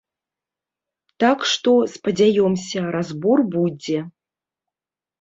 Так што, спадзяёмся, разбор будзе.